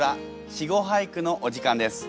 「稚語俳句」のお時間です。